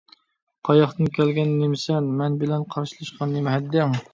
قاياقتىن كەلگەن نېمىسەن، مەن بىلەن قارشىلىشىشقا نېمە ھەددىڭ؟